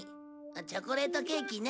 チョコレートケーキね。